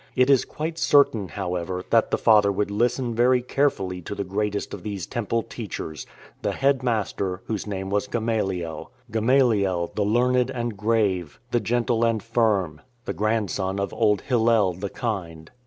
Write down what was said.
It is quite certain, however, that the father would listen very carefully to the greatest of these Temple teachers, the headmaster, whose name was Gamaliel — Gamaliel the learned and grave, the gentle and firm — the grand son of old Hillel the kind.